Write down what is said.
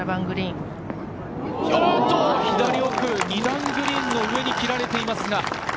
左奥、２段グリーンの上に切られていますが。